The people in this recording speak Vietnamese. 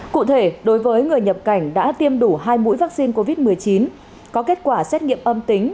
cụ thể đối với người nhập cảnh đã tiêm đủ hai mũi vaccine covid một mươi chín có kết quả xét nghiệm âm tính